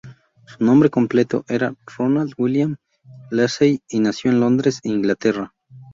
Su nombre completo era Ronald William Lacey, y nació en Londres, Inglaterra.